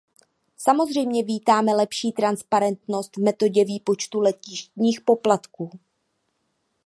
Samozřejmě vítáme lepší transparentnost v metodě výpočtu letištních poplatků.